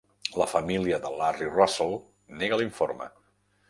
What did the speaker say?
La família de Larry Russell nega l'informe.